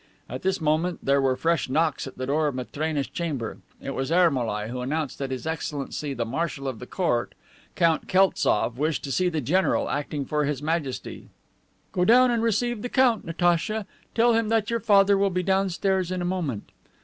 At this moment there were fresh knocks at the door of Matrena's chamber. It was Ermolai, who announced that his Excellency the Marshal of the Court, Count Keltzof, wished to see the general, acting for His Majesty. "Go and receive the Count, Natacha, and tell him that your father will be downstairs in a moment."